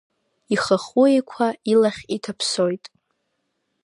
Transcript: Ихахәы еиқәа илахь иҭаԥсоит.